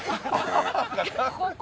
ここ？